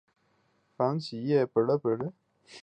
防己叶菝葜为百合科菝葜属下的一个种。